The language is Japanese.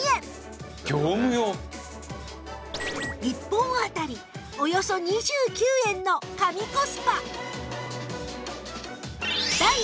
１本当たりおよそ２９円の神コスパ！